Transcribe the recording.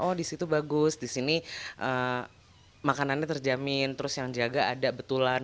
oh disitu bagus disini makanannya terjamin terus yang jaga ada betulan